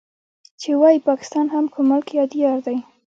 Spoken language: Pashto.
چې ووايي پاکستان هم کوم ملک يا ديار دی.